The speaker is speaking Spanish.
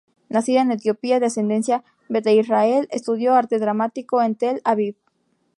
Nacida en Etiopía de ascendencia Beta Israel, estudió arte dramático en Tel Aviv.